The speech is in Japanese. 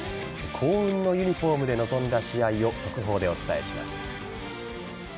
幸運のユニホームで臨んだ試合を速報でお伝えします。